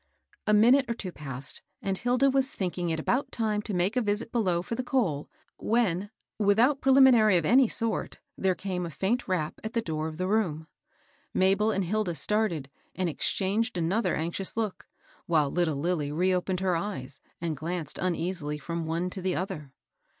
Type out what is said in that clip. A minute or so passed^ and Hilda was thinking I THE WOLF AT THE DOOR. 896 it about time to make a visit below for the coal, when, without preliminary of any sort, there came a faint rap at the door of the room. Mabel and Hilda started, and exchanged another anxious look, while little Lilly reopened her eyes, and glanced uneasily from one to the other.